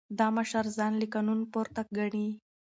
دا مشر ځان له قانون پورته ګڼي.